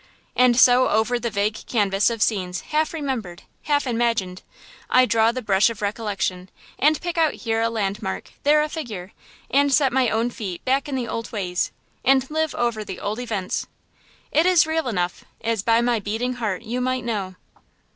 And so over the vague canvas of scenes half remembered, half imagined, I draw the brush of recollection, and pick out here a landmark, there a figure, and set my own feet back in the old ways, and live over the old events. It is real enough, as by my beating heart you might know.